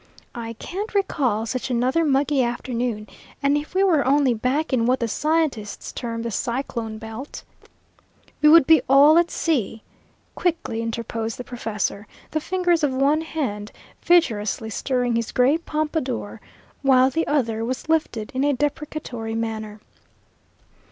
"I can't recall such another muggy afternoon, and if we were only back in what the scientists term the cyclone belt " "We would be all at sea," quickly interposed the professor, the fingers of one hand vigorously stirring his gray pompadour, while the other was lifted in a deprecatory manner.